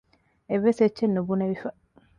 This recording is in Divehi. އެއްވެސް އެއްޗެއް ނުބުނެވިފަ